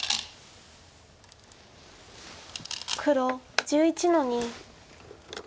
黒１１の二。